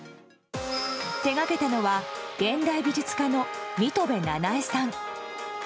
手がけたのは現代美術家の水戸部七絵さん。